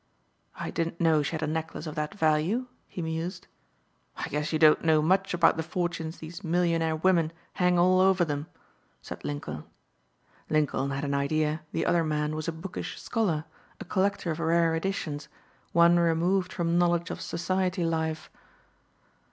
"I didn't know she had a necklace of that value," he mused. "I guess you don't know much about the fortunes these millionaire women hang all over 'em," said Lincoln. Lincoln had an idea the other man was a bookish scholar, a collector of rare editions, one removed from knowledge of society life.